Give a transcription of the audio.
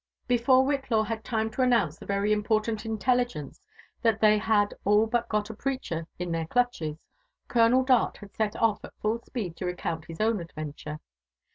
Before Whillaw had time to announce the very important intelli gence that they had all but got a preacher in their clutches. Colonel Dart had set off at full speed to recount his own adventure.